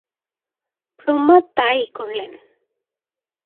ব্রহ্মা তা-ই করলেন।